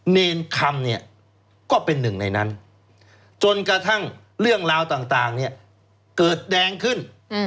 เนรคำเนี่ยก็เป็นหนึ่งในนั้นจนกระทั่งเรื่องราวต่างเนี่ยเกิดแดงขึ้น